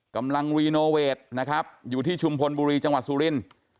กำลังรีโนเวทนะครับอยู่ที่ชุมพลบุรีจังหวัดสุรินทร์